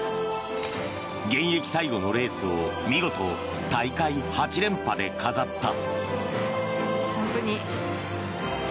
現役最後のレースを見事大会８連覇で飾った。